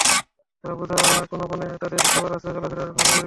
এরা বোঝে কোন বনে তাদের খাবার আছে, চলাফেরার ভালো পরিবেশ আছে।